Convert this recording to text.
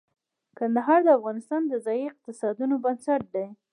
کندهار د افغانستان د ځایي اقتصادونو بنسټ دی.